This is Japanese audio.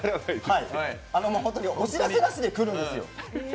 もう本当にお知らせなしで来るんですよ